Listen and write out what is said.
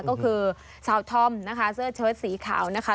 ก็คือชาวท่อมนะคะเสื้อเชิดสีขาวนะคะ